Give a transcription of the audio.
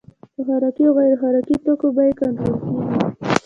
د خوراکي او غیر خوراکي توکو بیې کنټرول کیږي.